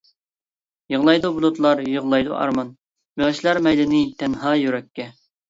يىغلايدۇ بۇلۇتلار يىغلايدۇ ئارمان، بېغىشلار مەيلىنى تەنھا يۈرەككە.